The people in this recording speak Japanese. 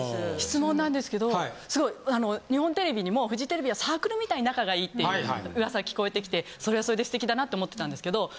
質問なんですけど日本テレビにもフジテレビはサークルみたいに仲がいいって噂が聞こえてきてそれはそれで素敵だなって思ってたんですけど。